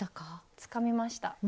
つかみました。